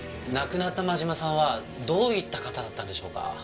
亡くなった真嶋さんはどういった方だったんでしょうか？